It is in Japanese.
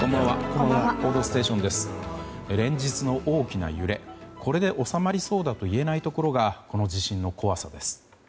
これで収まりそうだといえないところがこの地震の怖さです。